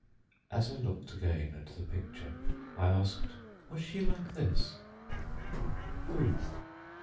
As I looked again at the picture, I asked, "Was she like this?" "Who?"